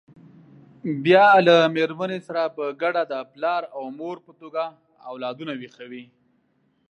بیا له مېرمنې سره په ګډه د پلار او مور په توګه اولادونه ویښوي.